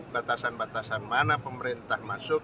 batasan batasan mana pemerintah masuk